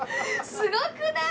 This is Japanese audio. すごくない？